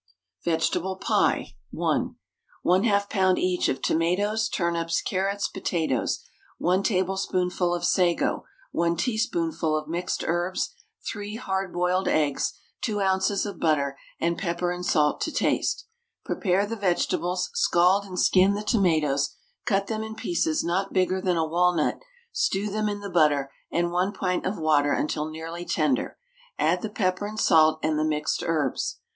VEGETABLE PIE (1). 1/2 lb. each of tomatoes, turnips, carrots, potatoes, 1 tablespoonful of sago, 1 teaspoonful of mixed herbs, 3 hard boiled eggs, 2 oz. of butter, and pepper and salt to taste. Prepare the vegetables, scald and skin the tomatoes, cut them in pieces not bigger than a walnut, stew them in the butter and 1 pint of water until nearly tender, add the pepper and salt and the mixed herbs.